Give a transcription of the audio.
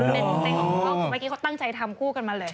เมื่อกี้เขาตั้งใจทำคู่กันมาเลย